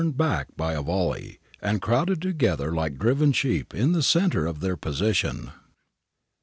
They were turned back by a volley, and crowded together like driven sheep in the centre of their position.